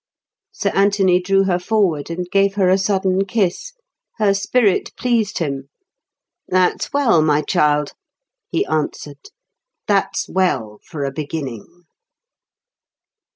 Sir Anthony drew her forward and gave her a sudden kiss. Her spirit pleased him. "That's well, my child," he answered. "That's well—for a beginning."